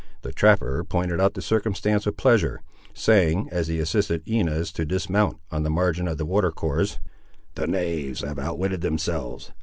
The trapper pointed out the circumstance with pleasure, saying, as he assisted Inez to dismount on the margin of the watercourse— "The knaves have outwitted themselves!